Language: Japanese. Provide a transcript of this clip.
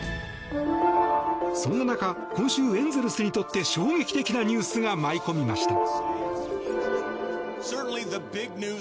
そんな中今週、エンゼルスにとって衝撃的なニュースが舞い込みました。